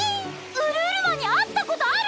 ウルウルマンに会ったことあるの？